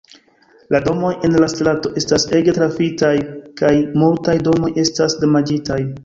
La domoj en la strato estas ege trafitaj kaj multaj domoj estas damaĝitaj.